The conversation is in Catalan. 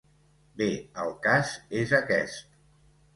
Bé, el cas és aquest.